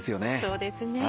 そうですね。